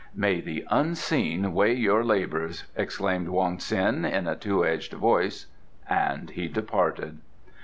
"May the Unseen weigh your labours!" exclaimed Wong Ts'in in a two edged voice, and he departed.